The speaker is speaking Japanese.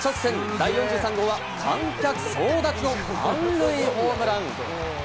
第４３号は観客総立ちの満塁ホームラン。